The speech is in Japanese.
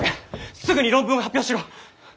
すぐに論文を発表しろ！